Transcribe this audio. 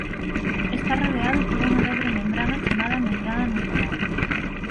Está rodeado por unha dobre membrana chamada membrana nuclear.